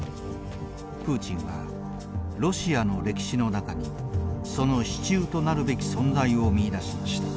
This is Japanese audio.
プーチンはロシアの歴史の中にその支柱となるべき存在を見いだしました。